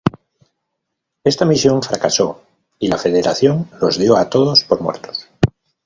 Esta misión fracasó y la federación los dio a todos por muertos.